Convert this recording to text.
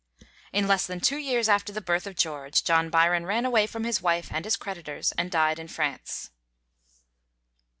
In less than two years after the birth of George, John Byron ran away from his wife and his creditors, and died in France.